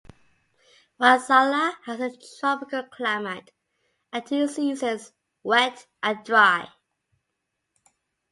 Waslala has a tropical climate and two seasons - wet and dry.